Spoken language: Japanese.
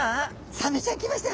サメちゃん来ました。